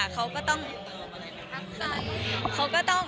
ค่ะเขาก็ต้อง